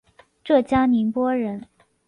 浙江宁波人。